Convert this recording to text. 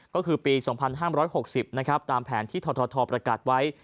ก็คือปี๒๕๖๐นะครับตามแผนที่ททประกาศไว้